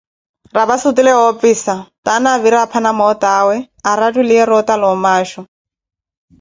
rapasi otule woopisa, taana avira apha na mootawe, arattuliye roota la omaasho.